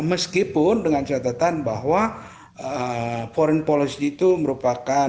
meskipun dengan catatan bahwa foreign policy itu merupakan